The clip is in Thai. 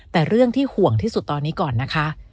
แต่เรื่องที่ห่วงที่สุดตอนนี้ก่อนนะคะ